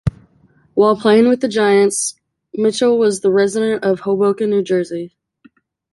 While playing with the Giants, Mitchell was a resident of Hoboken, New Jersey.